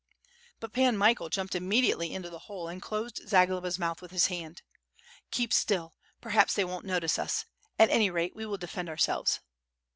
But Pan Michael jumped immediately into the hole and closed Zagloba's mouth with his hand. "Keep still, perhaps, they won't notice us; at any rate, we will defend ourselves."